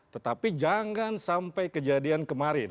tetapi jangan sampai kejadian kemarin